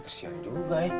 kesian juga ya